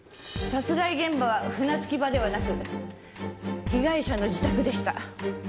殺害現場は船着き場ではなく被害者の自宅でした。